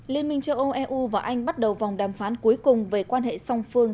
liên minh châu âu eu và anh bắt đầu vòng đàm phán cuối cùng về quan hệ song phương